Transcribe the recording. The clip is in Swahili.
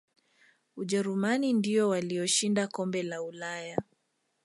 ujerumani ndiyo waliyoshinda kombe la ulaya